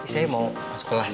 saya mau masuk kelas